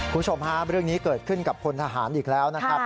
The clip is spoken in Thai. คุณผู้ชมฮะเรื่องนี้เกิดขึ้นกับพลทหารอีกแล้วนะครับ